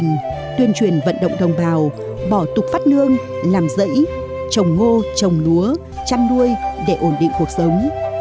ông quang tuyên truyền vận động đồng bào bỏ tục phát nương làm rẫy trồng ngô trồng lúa chăn nuôi để ổn định cuộc sống